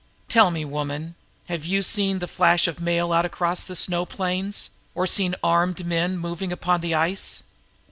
Tell me, woman, have you caught the flash of mail across the snow plains, or seen armed men moving upon the ice?"